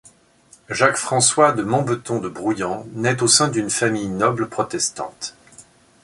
Jacques-François de Monbeton de Brouillan naît au sein d'une famille noble protestante.